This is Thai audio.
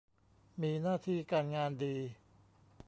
มีหน้าที่การงานดี